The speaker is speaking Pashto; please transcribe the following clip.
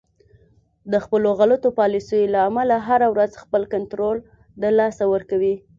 د خپلو غلطو پالیسیو له امله هر ورځ خپل کنترول د لاسه ورکوي